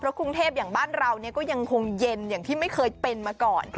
กรุงเทพอย่างบ้านเราก็ยังคงเย็นอย่างที่ไม่เคยเป็นมาก่อน